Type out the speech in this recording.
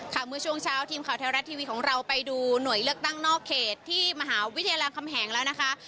เมื่อช่วงเช้าทีมข่าวไทยรัฐทีวีของเราไปดูหน่วยเลือกตั้งนอกเขตที่มหาวิทยาลำคำแหงแล้วนะคะ